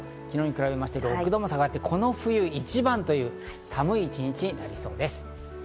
昨日に比べて６度も下がってこの冬一番という寒い一日になりそうです。